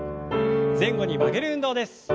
前後に曲げる運動です。